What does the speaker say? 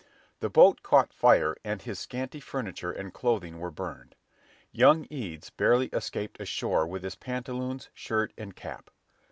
The boat caught fire, and his scanty furniture and clothing were burned. Young Eads barely escaped ashore with his pantaloons, shirt, and cap.